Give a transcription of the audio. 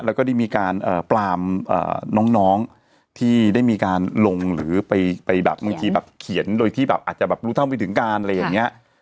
แล้วก็ได้มีการปรามน้องที่ได้มีการลงหรือไปแบบบางทีแบบเขียนโดยที่แบบอาจจะแบบรู้เท่าไม่ถึงการอะไรอย่างนี้